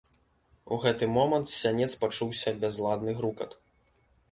У гэты момант з сянец пачуўся бязладны грукат.